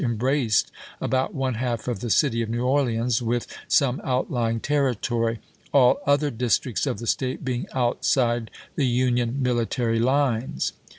embraced about one half of the city of New Orleans with some outlying territory ; all other districts of the State being outside the Union military lines.